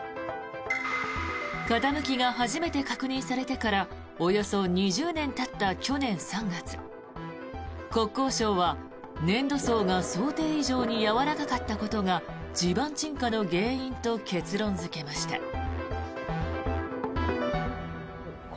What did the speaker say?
傾きが初めて確認されてからおよそ２０年たった去年３月国交省は、粘土層が想定以上にやわらかかったことが地盤沈下の原因と結論付けました。